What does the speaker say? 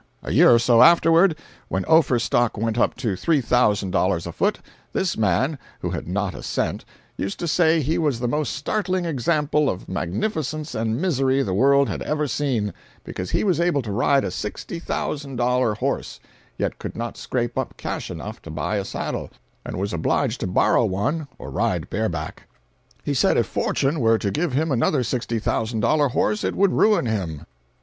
A year or so afterward, when Ophir stock went up to $3,000 a foot, this man, who had not a cent, used to say he was the most startling example of magnificence and misery the world had ever seen—because he was able to ride a sixty thousand dollar horse—yet could not scrape up cash enough to buy a saddle, and was obliged to borrow one or ride bareback. He said if fortune were to give him another sixty thousand dollar horse it would ruin him.